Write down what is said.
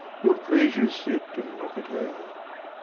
Will't please you sit and look at her?